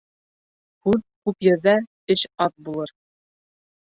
Һүҙ күп ерҙә эш аҙ булыр.